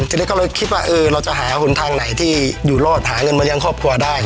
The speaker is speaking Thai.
ทีนี้ก็เลยคิดว่าเราจะหาหนทางไหนที่อยู่รอดหาเงินมาเลี้ยงครอบครัวได้